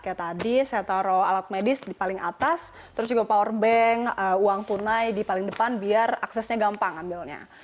kayak tadi saya taruh alat medis di paling atas terus juga powerbank uang tunai di paling depan biar aksesnya gampang ambilnya